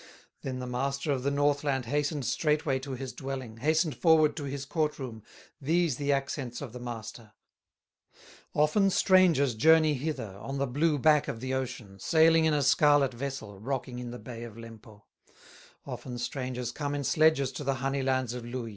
Then the master of the Northland Hastened straightway to his dwelling, Hastened forward to his court room, These the accents of the master: "Often strangers journey hither, On the blue back of the ocean, Sailing in a scarlet vessel, Rocking in the bay of Lempo; Often strangers come in sledges To the honey lands of Louhi."